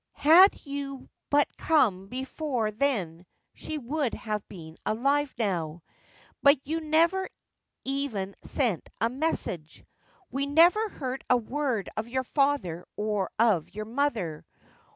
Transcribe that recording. Had you but come before then she would have been alive now. But you never even sent a message ; we never heard a word of your father or of your mother.